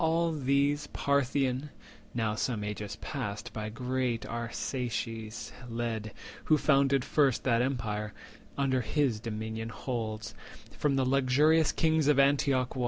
All these the Parthian (now some ages past By great Arsaces led, who founded first That empire) under his dominion holds, From the luxurious kings of Antioch won.